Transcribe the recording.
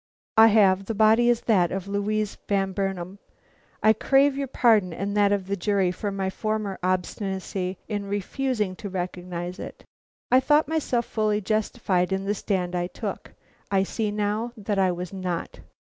"I have. The body is that of Louise Van Burnam; I crave your pardon and that of the jury for my former obstinacy in refusing to recognize it. I thought myself fully justified in the stand I took. I see now that I was not."